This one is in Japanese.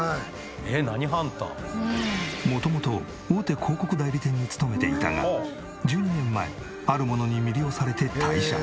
元々大手広告代理店に勤めていたが１２年前あるものに魅了されて退社。